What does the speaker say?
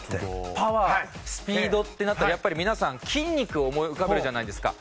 パワースピードってなったらやっぱり皆さん筋肉を思い浮かべるじゃないですか。